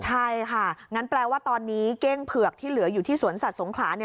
ใช่ค่ะงั้นแปลว่าตอนนี้เก้งเผือกที่เหลืออยู่ที่สวนสัตว์สงขลาเนี่ย